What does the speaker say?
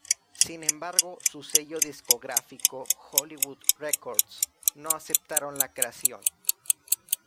Sin embargo, su sello discográfico Hollywood Records, no aceptaron la creación.